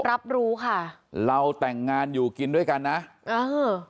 รับรู้ค่ะเราแต่งงานอยู่กินด้วยกันนะเออ